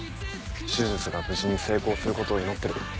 手術が無事に成功することを祈ってる。